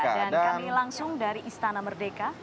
dan kami langsung dari istana merdeka